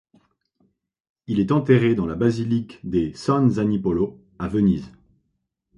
Il est enterré dans la Basilique de San Zanipolo à Venise.